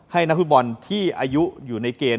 ให้นักฟุตบอลที่อายุอยู่ในเกณฑ์